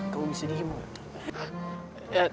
kamu bisa diem ulan